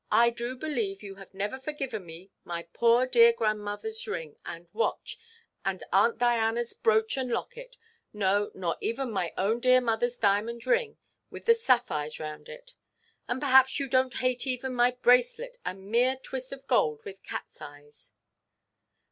I do believe you have never forgiven me my poor dear grandmotherʼs ring, and watch, and Aunt Dianaʼs brooch and locket; no, nor even my own dear motherʼs diamond ring with the sapphires round it. And perhaps you donʼt hate even my bracelet, a mere twist of gold with catʼs eyes!